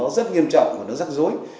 rất nghiêm trọng và rắc rối